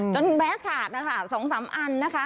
แบสขาดนะคะ๒๓อันนะคะ